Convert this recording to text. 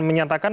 pks juga akan